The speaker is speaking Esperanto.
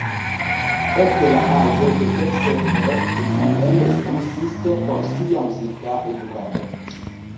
Ekde la aĝo de dek sep li mem responsis por sia muzika edukado.